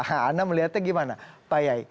nah anda melihatnya gimana pak yay